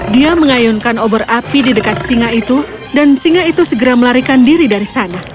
dia mengayunkan obor api di dekat singa itu dan singa itu segera melarikan diri dari sana